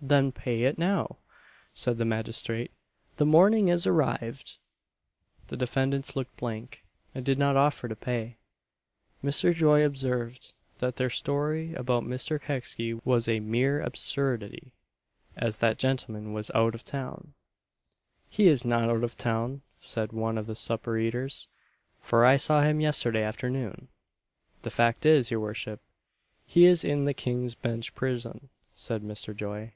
"Then pay it now" said the magistrate "the morning is arrived!" The defendants looked blank and did not offer to pay. Mr. Joy observed, that their story about Mr. Kecksy was a mere absurdity, as that gentleman was out of town. "He is not out of town," said one of the supper eaters, "for I saw him yesterday afternoon." "The fact is, your worship, he is in the King's Bench prison," said Mr. Joy.